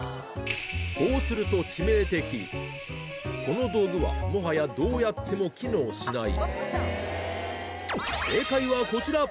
こうするとこの道具はもはやどうやっても機能しない正解はこちら！